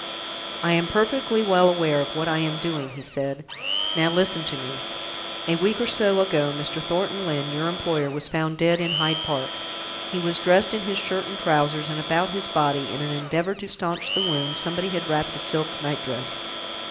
"I am perfectly well aware of what I am doing," he said. "Now listen to me. A week or so ago, Mr. Thornton Lyne, your employer, was found dead in Hyde Park. He was dressed in his shirt and trousers, and about his body, in an endeavour to stanch the wound, somebody had wrapped a silk night dress.